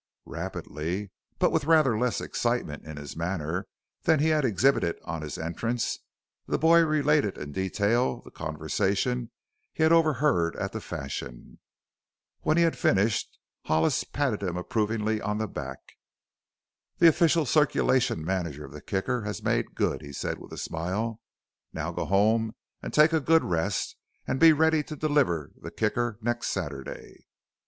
Rapidly, but with rather less excitement in his manner than he had exhibited on his entrance, the boy related in detail the conversation he had overheard at the Fashion. When he had finished Hollis patted him approvingly on the back. "The official circulation manager of the Kicker has made good," he said with a smile. "Now go home and take a good rest and be ready to deliver the Kicker next Saturday."